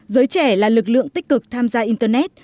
giới trẻ là lực lượng tích cực tham gia internet